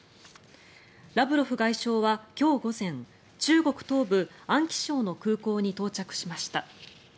ラブロフ外相は今日午前中国東部、安徽省の空港に到着しました。